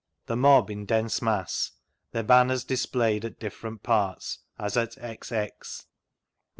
The mob in dense mass; their banners displayed in different parts, as at x, x, 9.9.